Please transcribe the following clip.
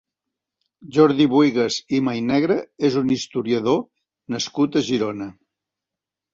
Jordi Bohigas i Maynegre és un historiador nascut a Girona.